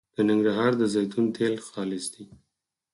د ننګرهار د زیتون تېل خالص دي